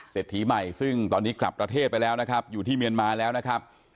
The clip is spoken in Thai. ถีใหม่ซึ่งตอนนี้กลับประเทศไปแล้วนะครับอยู่ที่เมียนมาแล้วนะครับ